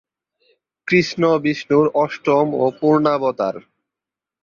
কৃষ্ণ বিষ্ণুর অষ্টম ও পূর্ণাবতার।